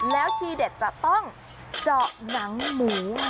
แล้วทีเด็ดจะต้องเจาะหนังหมู